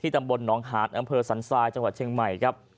ตำบลหนองหาดอำเภอสันทรายจังหวัดเชียงใหม่ครับ